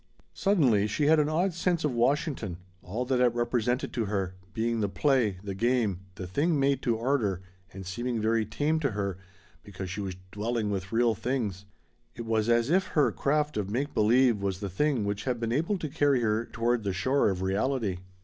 Suddenly she had an odd sense of Washington all that it represented to her being the play, the game, the thing made to order and seeming very tame to her because she was dwelling with real things. It was as if her craft of make believe was the thing which had been able to carry her toward the shore of reality.